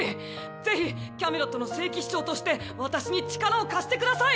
ぜひキャメロットの聖騎士長として私に力を貸してください！